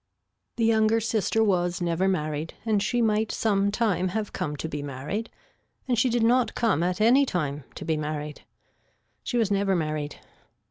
The younger sister was never married and she might sometime have come to be married and she did not come at any time to be married. She was never married.